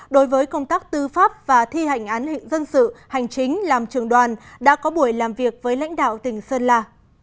đối với công tác tư pháp và thi hành án hình dân sự hành chính làm trường đoàn đã có buổi làm việc với lãnh đạo tỉnh sơn la